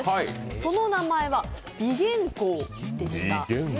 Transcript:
その名前は美玄香でした。